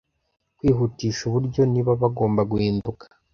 Kwihutisha uburyo. Niba bagomba guhinduka